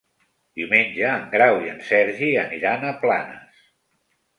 Diumenge en Grau i en Sergi aniran a Planes.